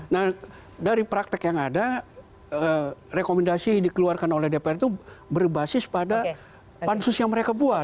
nah dari praktek yang ada rekomendasi dikeluarkan oleh dpr itu berbasis pada pansus yang mereka buat